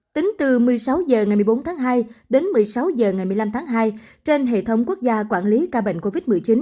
tính từ một mươi sáu h ngày một mươi bốn tháng hai đến một mươi sáu h ngày một mươi năm tháng hai trên hệ thống quốc gia quản lý ca bệnh covid một mươi chín